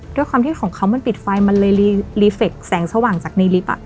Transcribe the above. ด้วยความที่ของเขามันปิดไฟมันเลยรีเฟคแสงสว่างจากในลิฟต์